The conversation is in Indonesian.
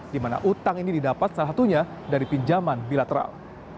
di mana utang ini didapat salah satunya dari pinjaman bilateral